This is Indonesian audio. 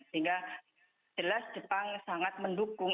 sehingga jelas jepang sangat mendukung